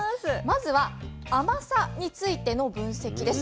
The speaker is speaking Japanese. まずは甘さについての分析です。